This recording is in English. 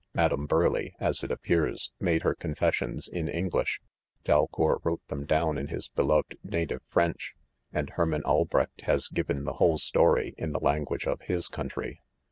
Madame'' Burleigh, as :it appears made her confessions, in English ; Dalcour wrote them down.in'his beloved native. French; and Her* man Albrecht has given the whole story s . in 7 EPILOGUE. 221 the language of his country